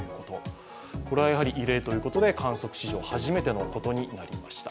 これは異例ということで観測史上初めてのことになりました。